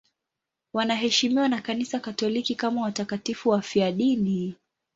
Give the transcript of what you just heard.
Wanaheshimiwa na Kanisa Katoliki kama watakatifu wafiadini.